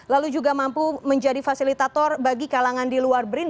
lalu juga mampu menjadi fasilitator bagi kalangan di luar brin